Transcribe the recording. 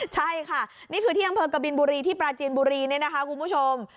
ใช่ค่ะนี่คือที่อำเภอกบินบุรีที่ปราจีนบุรีเนี่ยนะคะคุณผู้ชม